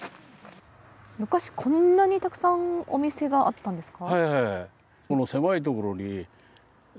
昔、こんなにたくさんお店があったんですか。